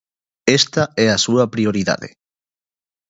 Esta é a súa prioridade.